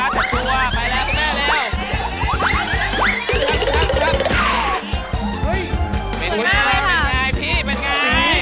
เป็นครับเป็นไงพี่เป็นไง